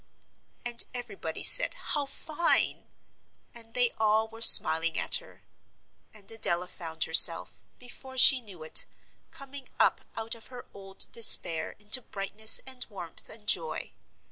And everybody said, "How fine!" And they all were smiling at her. And Adela found herself, before she knew it, coming up out of her old despair into brightness and warmth and joy.